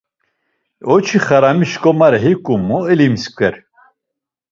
Oçi xarami şǩomare hiǩu mo elimsǩer.